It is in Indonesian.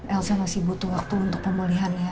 elsa masih butuh waktu untuk pemulihannya